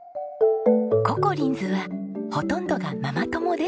ココリンズはほとんどがママ友です。